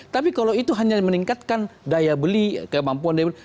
tapi kalau itu hanya meningkatkan daya beli kemampuan daya beli